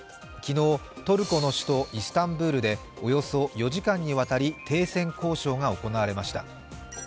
昨日トルコの首都イスタンブールでおよそ４時間にわたり停戦交渉が行われました。